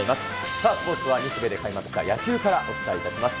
さあ、スポーツは日米で開幕した野球からお伝えいたします。